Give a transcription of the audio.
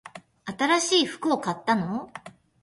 新しい服を買ったの？